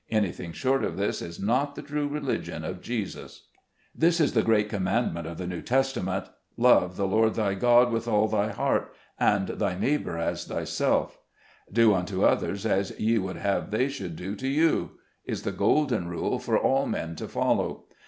Anything short of this is not the true religion of Jesus. This is the great commandment of the New Test ament —" Love the Lord thy God with all thy heart, and thy neighbor as thyself." "Do unto 190 SKETCHES OF SLAVE LIFE. others as ye would that they should do to you," is the golden rule for all men to follow.